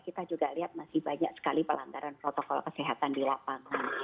kita juga lihat masih banyak sekali pelanggaran protokol kesehatan di lapangan